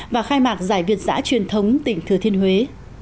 và khai mạc giải việt giã truyền thống tỉnh thừa thiên huế